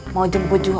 mau jemput ju